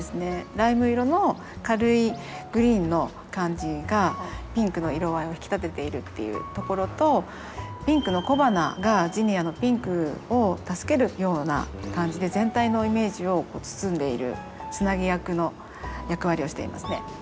ライム色の軽いグリーンの感じがピンクの色合いを引き立てているっていうところとピンクの小花がジニアのピンクを助けるような感じで全体のイメージを包んでいるつなぎ役の役割をしていますね。